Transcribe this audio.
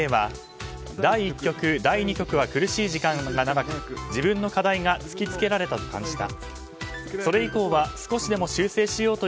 藤井棋聖は第１局、第２局は苦しい時間が長く、自分の課題が突き付けられたと感じた。